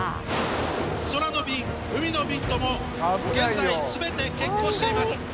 空の便海の便とも現在全て欠航しています